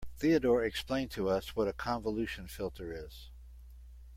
Theodore explained to us what a convolution filter is.